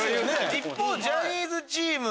一方ジャニーズチーム。